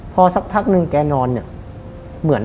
พอสักพักนึงแกนอนเนี่ย